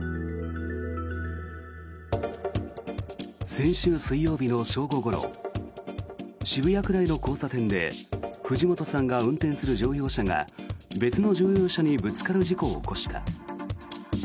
先週水曜日の正午ごろ渋谷区内の交差点で藤本さんが運転する乗用車が別の乗用車にぶつかる事故を起こした。